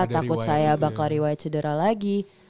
takut saya bakal riwayat cedera lagi